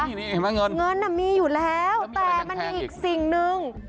นี่เห็นไหมเงินเงินน่ะมีอยู่แล้วแต่มันมีอีกสิ่งหนึ่ง